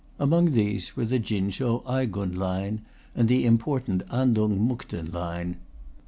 Among these were the Chin chou Aigun line and the important Antung Mukden line.